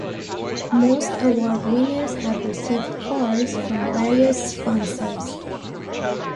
Most award winners have received cars from various sponsors.